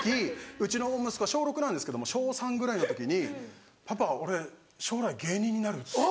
うちの息子は小６なんですけども小３ぐらいの時に「パパ俺将来芸人になる」。